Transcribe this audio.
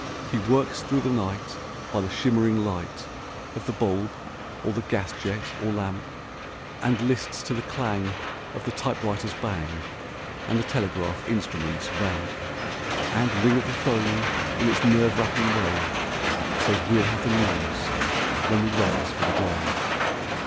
He works through the night, by the shimmering light Of the bulb or the gas jet or lamp; And lists to the clang of the typewriter's bang, And the telegraph instrument's vamp; And ring of the 'phone in its nerve racking way, So's we'll have the news when we rise for the day.